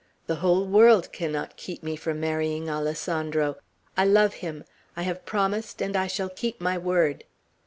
The whole world cannot keep me from marrying Alessandro. I love him. I have promised, and I shall keep my word."